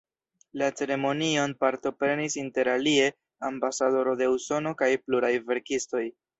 La ceremonion partoprenis interalie ambasadoro de Usono kaj pluraj verkistoj.